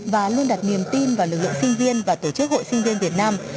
và luôn đặt niềm tin vào lực lượng sinh viên và tổ chức hội sinh viên việt nam